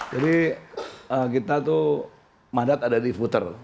jadi kita tuh madat ada di puter